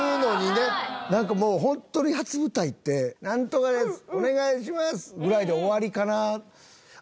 なんかもうホントに初舞台って「なんとかです。お願いします」ぐらいで終わりかなと思ったら。